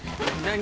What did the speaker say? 何？